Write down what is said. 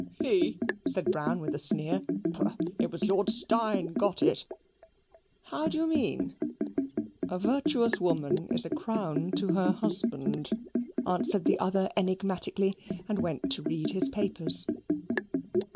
"He!" said Brown, with a sneer. "Pooh. It was Lord Steyne got it." "How do you mean?" "A virtuous woman is a crown to her husband," answered the other enigmatically, and went to read his papers.